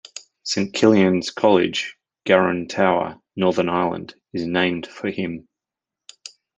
Saint Killian's College, Garron Tower, Northern Ireland is named for him.